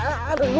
masih belum ketemu